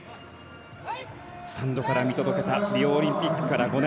スタンドから見届けたリオオリンピックから５年。